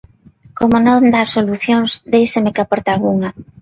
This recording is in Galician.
Como non dá solucións, déixeme que aporte algunha.